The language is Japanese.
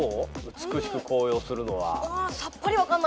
美しく紅葉する。